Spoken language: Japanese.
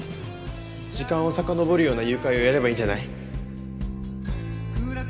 時間をさかのぼるような誘拐をやればいいんじゃない？